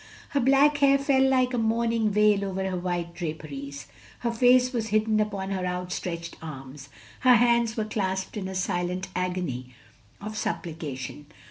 Her black hair fell like a mourning veil over her white draperies; her face was hidden upon her out stretched arms; her hands were clasped in a silent agony of supplication.